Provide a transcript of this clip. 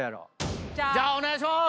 じゃあお願いしまーす！